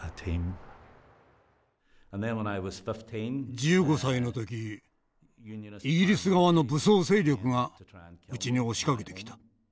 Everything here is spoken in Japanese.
１５歳の時イギリス側の武装勢力がうちに押しかけてきた。